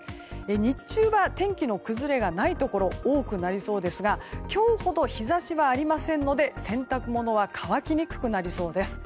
日中は天気の崩れがないところ多くなりそうですが今日ほど日差しはありませんので洗濯物は乾きにくくなりそうです。